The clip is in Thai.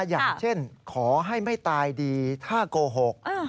อย่างเช่นขอให้ไม่ตายดีถ้าโกหก